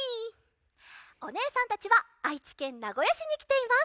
おねえさんたちはあいちけんなごやしにきています。